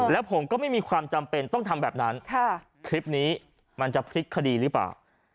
แล้วผมก็ไม่มีความจำเป็นต้องทำแบบนั้นคลิปนี้มันจะพลิกคดีหรือเปล่า